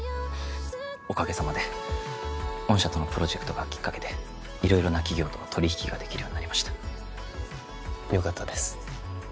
おかげさまで御社とのプロジェクトがきっかけで色々な企業と取り引きができるようになりましたよかったです